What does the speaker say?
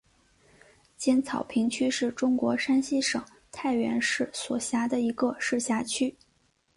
尖草坪区是中国山西省太原市所辖的一个市辖区。